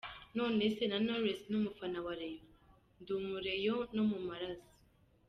Nonese na Knowless n umufana wa Rayon?? Ndi umurayon no mu maraso.